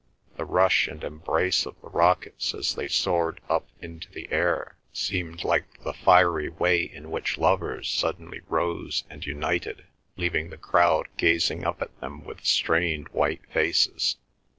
The rush and embrace of the rockets as they soared up into the air seemed like the fiery way in which lovers suddenly rose and united, leaving the crowd gazing up at them with strained white faces.